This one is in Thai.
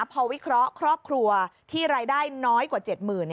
พอวิเคราะห์ครอบครัวที่รายได้น้อยกว่า๗๐๐๐